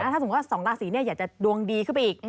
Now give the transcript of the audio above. ถ้าสมมุติว่า๒ราศีอยากจะดวงดีขึ้นไปอีก